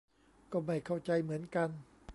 ก็ไม่เข้าใจเหมือนกัน